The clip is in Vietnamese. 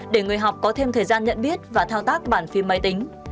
để người học có thêm thời gian nhận biết và thao tác bản phim máy tính